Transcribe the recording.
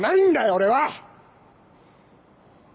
俺は‼